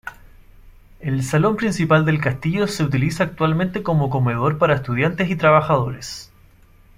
El salón principal del castillo se utiliza actualmente como comedor para estudiantes y trabajadores.